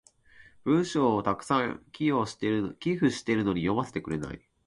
文章を沢山寄付してるのに読ませてくれない。